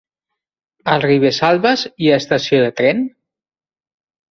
A Ribesalbes hi ha estació de tren?